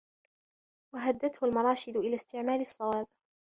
وَهَدَتْهُ الْمَرَاشِدُ إلَى اسْتِعْمَالِ الصَّوَابِ